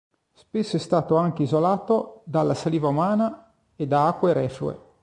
Spesso è stato anche isolato dalla saliva umana e da acque reflue.